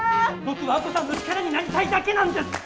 僕は亜子さんの力になりたいだけなんです！